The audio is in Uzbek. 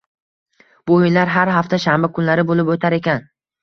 Bu oʻyinlar har hafta shanba kunlari boʻlib oʻtar ekan.